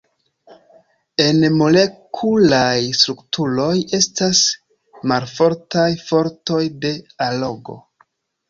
En molekulaj strukturoj estas malfortaj fortoj de allogo.